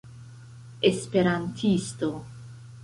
esperantisto